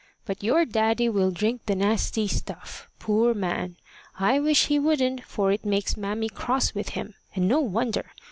But your daddy will drink the nasty stuff, poor man! I wish he wouldn't, for it makes mammy cross with him, and no wonder!